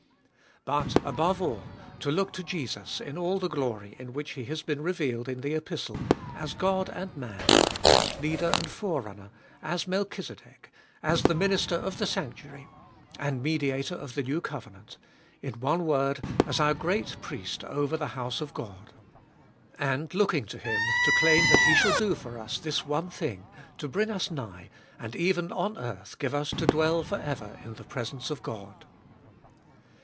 But, above all, to look to Jesus in all the glory in which He has been revealed in the Epistle, as God and Man, as Leader and Forerunner, as Melchize dek, as the Minister of the sanctuary and Mediator of the new covenant — in one word, as our great Priest over the house of God. And, looking to Him, to claim that He shall do for us this one thing, to bring us nigh, and even on earth give us to dwell for ever in the presence of God.